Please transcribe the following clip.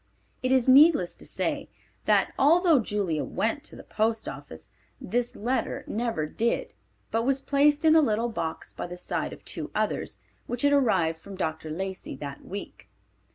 It is needless to say that, although Julia went to the post office, this letter never did but was placed in a little box by the side of two others, which had arrived from Dr. Lacey that week.